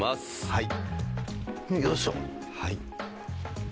はい。